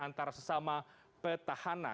antara sesama petahana